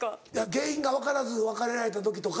原因が分からず別れられた時とか。